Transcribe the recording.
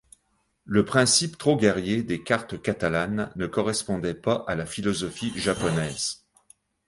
Le principe trop guerrier des cartes catalanes ne correspondait pas à la philosophie japonaise.